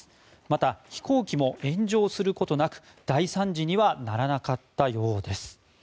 また、飛行機も炎上することなく大惨事にはならなかったようです。